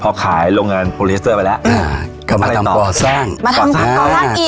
พอขายโรงงานไปแล้วอ่าก็มาทำป่อสร้างมาทำป่อสร้างอีกอ๋อ